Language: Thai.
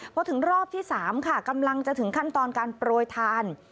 พอถึงรอบที่๓ค่ะกำลังจะถึงขั้นตอนการโปรยทาน